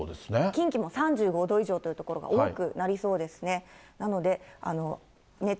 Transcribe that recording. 近畿も３５度以上というところが多くなりそうですね。